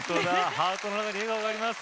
ハートの中に笑顔があります。